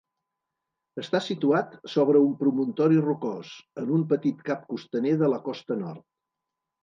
Està situat sobre un promontori rocós, en un petit cap costaner de la costa nord.